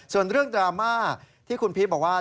ส่วนเรื่องดราม่าที่คุณพีชบอกว่า